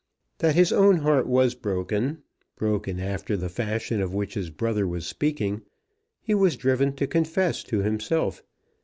That his own heart was broken, broken after the fashion of which his brother was speaking, he was driven to confess to himself.